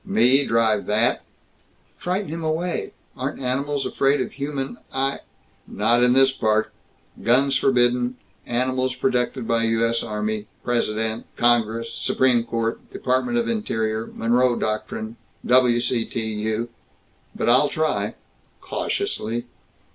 "Me? Drive that?" "Frighten him away. Aren't animals afraid human eye " "Not in this park. Guns forbidden. Animals protected by U. S. Army, President, Congress, Supreme Court, Department of Interior, Monroe Doctrine, W. C. T. U. But I'll try cautiously."